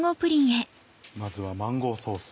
まずはマンゴーソース。